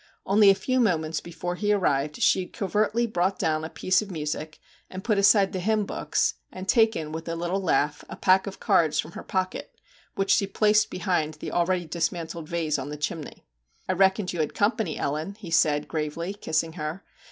Only a few moments before he arrived she had covertly brought down a piece of music, and put aside the hymn books, and taken, with a little laugh, a pack of cards from her pocket which she placed behind the already dismantled vase on the chimney. * I reckoned you had company, Ellen/ he said gravely, kissing her.